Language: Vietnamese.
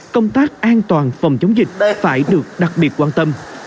công tác an toàn phòng chống dịch phải được đặc biệt quan tâm